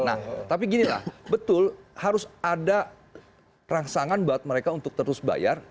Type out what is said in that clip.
nah tapi ginilah betul harus ada rangsangan buat mereka untuk terus bayar